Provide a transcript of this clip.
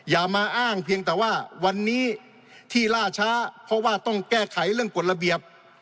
อย่ามาอ้างเพียงแต่ว่าวันนี้ที่ล่าช้าเพราะว่าต้องแก้ไขเรื่องกฎระเบียบ